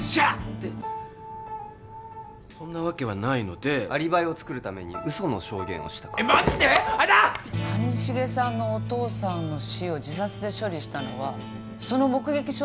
てそんなわけはないのでアリバイをつくるために嘘の証言をしたか谷繁さんのお父さんの死を自殺で処理したのはその目撃証言を優先したってこと